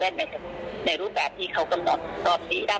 แอบมีส่วนเกี่ยวข้องอยู่อย่างเดียวกับน้องก้อยนะคะผู้ตาย